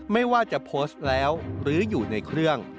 ไม่ว่าจะโพสต์แล้วหรืออยู่ในเครื่อง